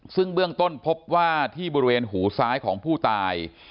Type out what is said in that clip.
ซึ่งเบื้องต้นพบว่าที่บริเวณหูซ้ายของผู้ตาย